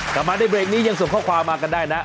กลับมาในเบรกนี้ยังส่งข้อความมากันได้นะ